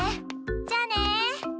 じゃあね！